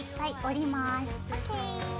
ＯＫ。